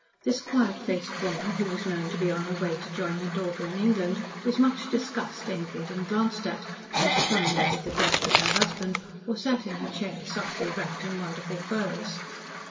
This quiet faced woman, who was known to be on her way to join her daughter in England, was much discussed, envied, and glanced at, when she promenaded the deck with her husband, or sat in her chair softly wrapped in wonderful furs.